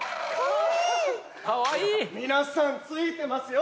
皆さんついてますよ！